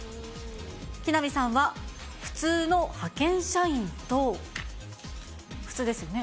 木南さんは普通の派遣社員と、普通ですよね？